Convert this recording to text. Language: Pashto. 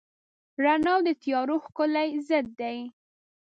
رڼا د تیارو ښکلی ضد دی.